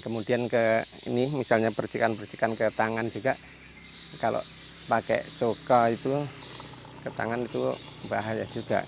kemudian ke ini misalnya percikan percikan ke tangan juga kalau pakai coko itu ke tangan itu bahaya juga